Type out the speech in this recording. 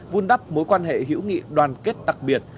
vun đắp mối quan hệ hữu nghị đoàn kết đặc biệt